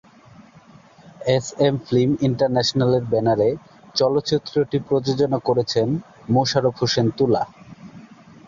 S M film ইন্টারন্যাশনালের ব্যানারে চলচ্চিত্রটি প্রযোজনা করেছেন মোশারফ হোসেন তুলা।